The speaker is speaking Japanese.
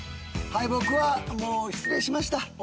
僕はもう失礼しました。